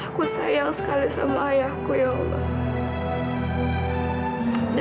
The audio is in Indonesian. aku sayang sekali sama ayahku ya allah